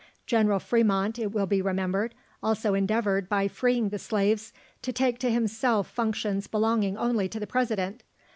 General Fremont, it will be remembered, also endeavoured, by freeing the slaves, to take to himself functions belonging only to the President.